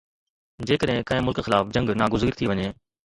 جيڪڏهن ڪنهن ملڪ خلاف جنگ ناگزير ٿي وڃي